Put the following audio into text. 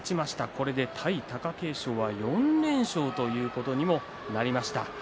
これで対貴景勝戦４連勝ということになります。